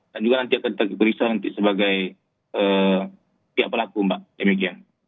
dan juga nanti akan diperiksa sebagai pihak pelaku mbak demikian